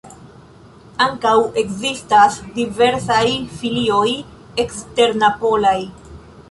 Ankaŭ ekzistas diversaj filioj eksternapolaj.